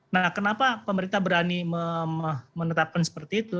nah kenapa pemerintah berani menetapkan seperti itu